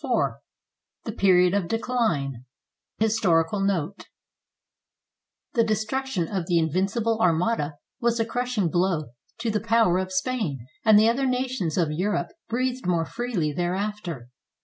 IV THE PERIOD OF DECLINE HISTORICAL NOTE The destruction of the Invincible Armada was a crushing blow to the power of Spain, and the other nations of Europe breathed more freely thereafter.